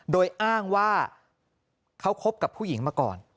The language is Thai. โดยอ้างว่าเขาคบกับผู้หญิงมาก่อน